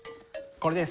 これです。